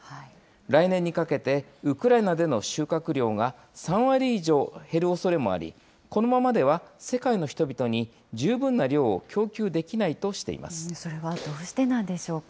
来年にかけてウクライナでの収穫量が３割以上減るおそれもあり、このままでは世界の人々に十分なそれはどうしてなんでしょう